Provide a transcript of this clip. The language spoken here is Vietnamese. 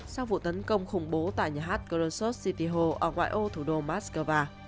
sau vụ tấn công khủng bố tại nhà hát gorosov city hall ở ngoài ô thủ đô moscow